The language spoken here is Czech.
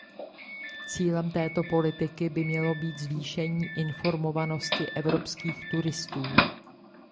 Cílem této politiky by mělo být zvýšení informovanosti evropských turistů.